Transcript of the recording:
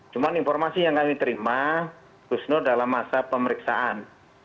cuma informasi yang kami terima gus nur dalam masa pemeriksaan